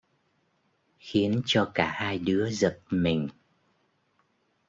Khiến cho cả hai đứa giật mình